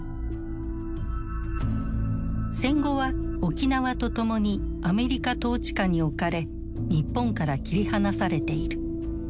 戦後は沖縄とともにアメリカ統治下に置かれ日本から切り離されている。